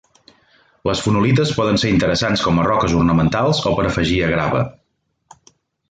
Les fonolites poden ser interessants com a roques ornamentals o per afegir a grava.